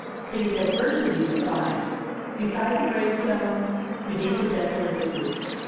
It is adversity that binds beside the gravestone, beneath the desolated roof.